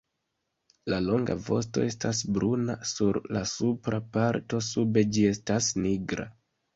La longa vosto estas bruna sur la supra parto, sube ĝi estas nigra.